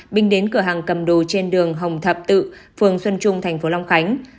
bình đến cửa hàng cầm đồ trên đường hồng thập tự phường xuân trung tp long khánh